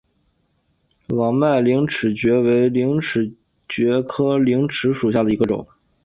网脉陵齿蕨为陵齿蕨科陵齿蕨属下的一个种。